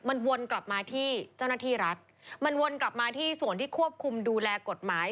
มันวนกลับมาที่เจ้าหน้าที่รัฐมันวนกลับมาที่ส่วนที่ควบคุมดูแลกฎหมาย